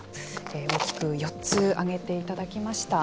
大きく４つ挙げていただきました。